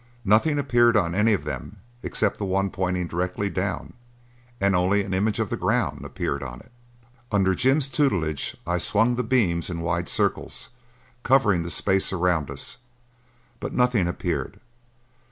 Nothing appeared on any of them except the one pointing directly down, and only an image of the ground, appeared on it. Under Jim's tutelage I swung the beams in wide circles, covering the space around us, but nothing appeared.